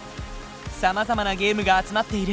さまざまなゲームが集まっている。